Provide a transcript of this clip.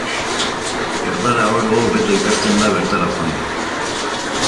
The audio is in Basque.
Erdara oro hobeto ikasten da bertara joanda.